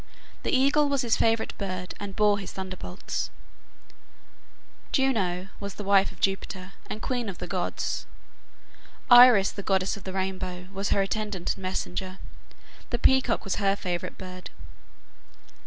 The eagle was his favorite bird, and bore his thunderbolts. Juno (Hera) was the wife of Jupiter, and queen of the gods. Iris, the goddess of the rainbow, was her attendant and messenger. The peacock was her favorite bird.